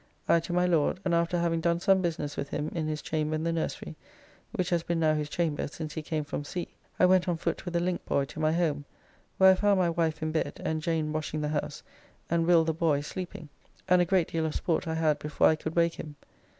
I to my Lord, and after having done some business with him in his chamber in the Nursery, which has been now his chamber since he came from sea, I went on foot with a linkboy to my home, where I found my wife in bed and Jane washing the house, and Will the boy sleeping, and a great deal of sport I had before I could wake him.